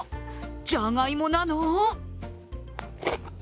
じゃがいもなの？